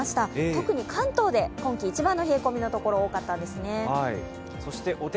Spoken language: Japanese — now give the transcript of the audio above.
特に関東で今季一番の冷え込みのところが多かったですね。